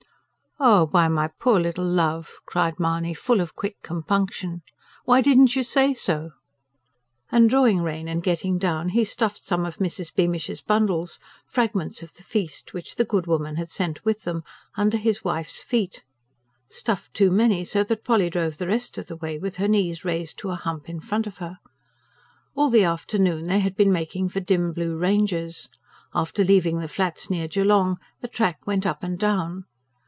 "Why, my poor little love!" cried Mahony, full of quick compunction. "Why didn't you say so?" And drawing rein and getting down, he stuffed some of Mrs. Beamish's bundles fragments of the feast, which the good woman had sent with them under his wife's feet; stuffed too many, so that Polly drove the rest of the way with her knees raised to a hump in front of her. All the afternoon they had been making for dim blue ranges. After leaving the flats near Geelong, the track went up and down.